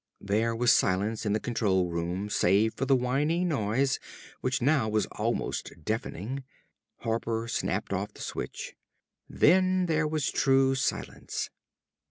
There was silence in the control room save for the whining noise which now was almost deafening. Harper snapped off the switch. Then there was true silence.